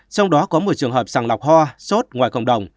trong đó có một trường hợp sàng lọc hoa sốt ngoài cộng đồng